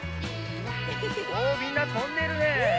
おみんなとんでるね。